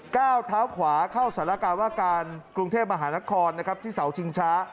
เก้าเท้าขวาเข้าศรการว่าการกรุงเทพมหานครนะครับโสดทิ้งช้า